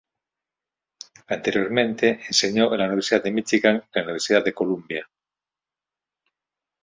Anteriormente, enseñó en la Universidad de Michigan y en la Universidad de Columbia.